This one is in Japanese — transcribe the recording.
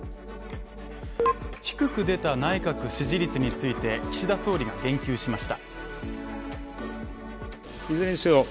低く出た内閣支持率について、岸田総理が言及しました。